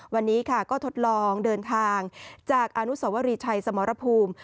วันนี้ค่ะก็ทดลองเดินทางจากอนุสวรีชัยสมรภูมิ